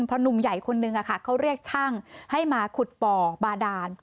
เพราะหนุ่มใหญ่คนนึงเขาเรียกช่างให้มาขุดบ่อบาดาน